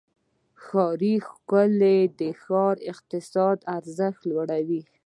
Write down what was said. ښاري ښکلا د ښار اقتصادي ارزښت لوړوي.